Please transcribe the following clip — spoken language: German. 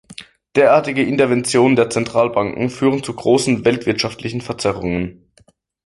Derartige Interventionen der Zentralbanken führen zu grossen weltwirtschaftlichen Verzerrungen.